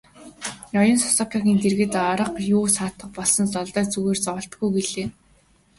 Ноён Сасакийн дэргэд арга буюу саатах болсон Лодой "Зүгээр та зоволтгүй" гэлээ.